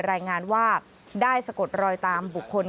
รายงานว่าได้สะกดรอยตามบุคคล